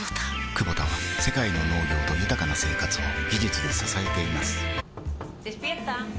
クボタは世界の農業と豊かな生活を技術で支えています起きて。